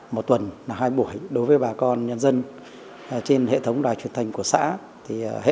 một tuần là hai buổi đối với bà con nhân dân trên hệ thống đoàn truyền thành của xã thì hệ